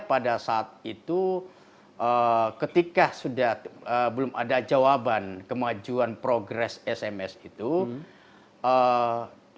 pada saat itu ketika sudah belum ada jawaban kemajuan progres sms itu